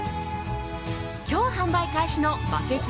今日販売開始のバケツ